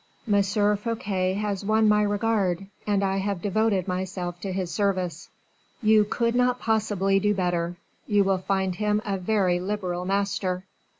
M. Fouquet has won my regard, and I have devoted myself to his service." "You could not possibly do better. You will find him a very liberal master."